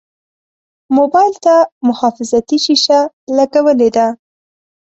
موبایل ته محافظتي شیشه لګولې ده.